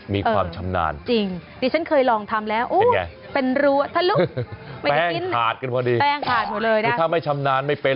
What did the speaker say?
มีความชำนานเป็นไงแป้งขาดกันพอดีถ้าไม่ชำนานไม่เป็น